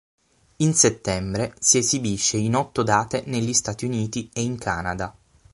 In settembre si esibisce in otto date negli Stati Uniti e in Canada.